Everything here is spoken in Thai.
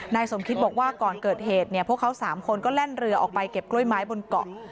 นายสมคิตบอกว่าก่อนเกิดเหตุเนี่ยพวกเขา๓คนก็แล่นเรือออกไปเก็บกล้วยไม้บนเกาะ